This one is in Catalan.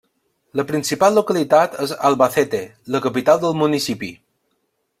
La principal localitat és Albacete, la capital del municipi.